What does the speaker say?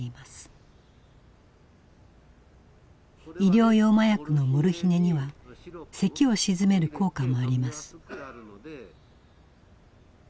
医療用麻薬のモルヒネにはせきを鎮める効果もあります。